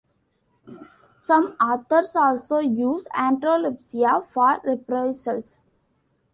Some authors also use "androlepsia" for reprisals.